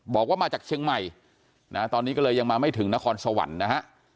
บอกว่ามาจากเชียงใหม่นะฮะตอนนี้ก็เลยยังมาไม่ถึงนครสวรรค์นะฮะ